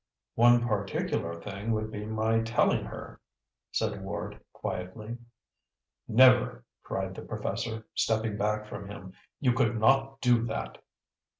"One particular thing would be my telling her," said Ward quietly. "Never!" cried the professor, stepping back from him. "You could not do that!"